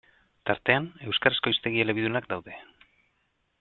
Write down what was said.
Tartean, euskarazko hiztegi elebidunak daude.